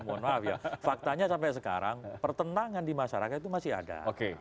mohon maaf ya faktanya sampai sekarang pertentangan di masyarakat itu masih ada